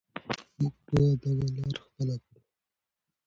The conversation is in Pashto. موږ به دغه لاره خپله کړو.